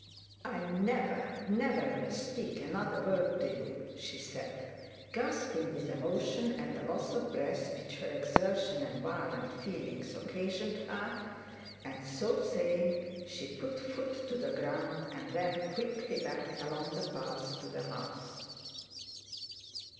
'I never, never, will speak another word to you,' she said, gasping with emotion and the loss of breath, which her exertion and violent feelings occasioned her, and so saying she put foot to the ground and ran quickly back along the path to the house.